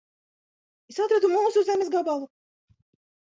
Es atradu mūsu zemes gabalu.